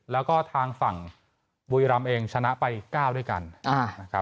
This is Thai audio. แล้วก็ทางฝั่งบุรีรำเองชนะไป๙ด้วยกันนะครับ